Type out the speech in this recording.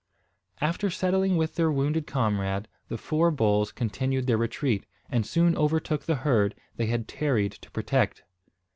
After settling with their wounded comrade, the four bulls continued their retreat, and soon overtook the herd they had tarried to protect.